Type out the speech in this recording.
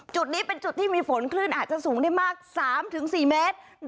จุดนี้เป็นจุดที่มีฝนคลื่นอาจจะสูงได้มาก๓๔เมตร